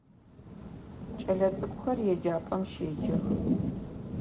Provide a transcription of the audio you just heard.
Кӏэлэцӏыкӏухэр еджапӏэм щеджэх.